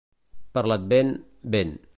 Per l'Advent, vent.